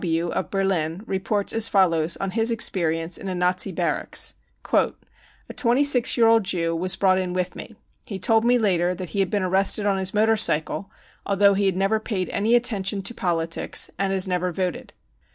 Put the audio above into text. K. W., of Berlin, reports as follows on his experience in a Nazi Barracks :" A twenty six year old Jew was brought in with me. He told me later that he had been arrested on his motor cycle, although he had never paid any attention to* THE PERSECUTION OF JEWS 1249 politics and has never voted.